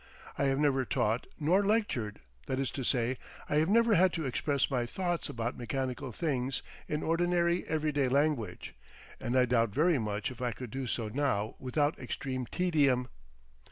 I have never taught; nor lectured, that is to say, I have never had to express my thoughts about mechanical things in ordinary everyday language, and I doubt very much if I could do so now without extreme tedium.